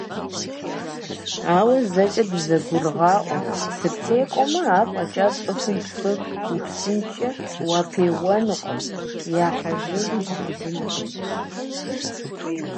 Ауэ зэкӀэ дызэгурыгъаӀуэ: - сыптекӀуэмэ, афӀэкӀа цӀыхум пцӀы упсынкӀэ уапеуэнукъым, я хьэжыгъи бубыдынкъым.